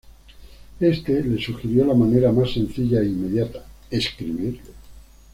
Éste le sugirió la manera más sencilla e inmediata: escribirle.